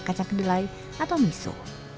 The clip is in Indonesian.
kacang kedelai atau miso